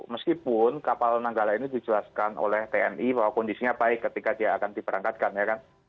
meskipun kapal nanggala ini dijelaskan oleh tni bahwa kondisinya baik ketika dia akan diberangkatkan ya kan